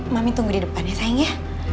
mami tunggu di depan ya sayang ya